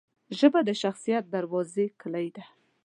ژبه د شخصیت دروازې کلۍ ده